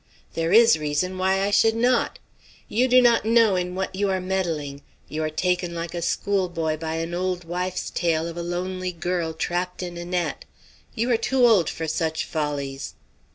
There is reason why I should not. You do not know in what you are meddling. You are taken like a schoolboy by an old wife's tale of a lonely girl trapped in a net. You are too old for such follies."